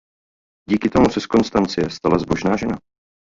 Díky tomu se z Konstancie stala zbožná žena.